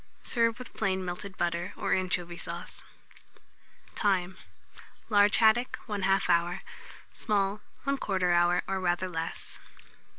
Serve with plain melted butter, or anchovy sauce. Time. Large haddock, 1/2 hour; small, 1/4 hour, or rather less.